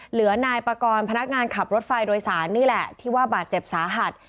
เหลือนายปากรพนักงานขับรถไฟโดยสารนี่แหละที่ว่าบาดเจ็บสาหัส